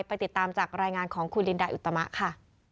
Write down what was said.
ติดตามจากรายงานของคุณลินดาอุตมะค่ะ